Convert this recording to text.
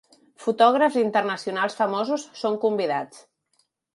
Fotògrafs internacionals famosos són convidats.